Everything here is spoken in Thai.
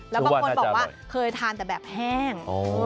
แล้วบางคนบอกว่าเคยทานแต่แบบแห้ง